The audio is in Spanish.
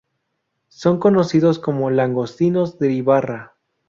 Son conocidos como "langostinos de Ibarra".